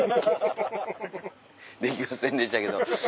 できませんでしたけど。